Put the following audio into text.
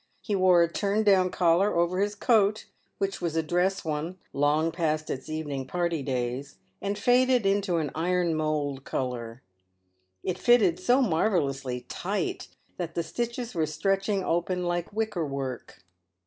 He wore a turn down collar over his coat, which was a dress one, long past its evening party days, and faded into an ironmould colour. It fitted so marvellously tight that the stitches were stretching open like wickerwork.